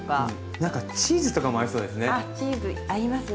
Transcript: なんかチーズとかも合いそうですね。